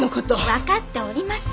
分かっております。